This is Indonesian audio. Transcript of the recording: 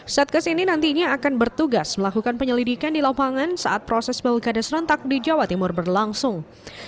satgas ini nantinya akan bertugas melakukan penyelidikan di lapangan saat proses pilkada serentak di jawa timur berlangsung